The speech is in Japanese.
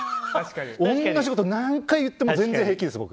同じこと何回言っても全然平気です、僕。